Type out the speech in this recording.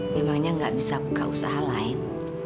memangnya nggak bisa buka usaha lain